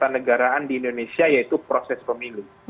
kenegaraan di indonesia yaitu proses pemilu